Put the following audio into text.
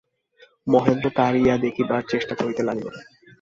মহেন্দ্র কাড়িয়া দেখিবার চেষ্টা করিতে লাগিল।